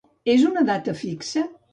És una data fixa?